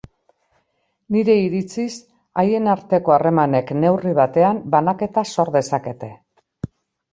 Nire iritziz, haien arteko harremanek, neurri batean, banaketa sor dezakete.